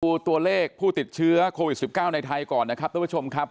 ดูตัวเลขผู้ติดเชื้อโควิด๑๙ในไทยก่อนนะครับ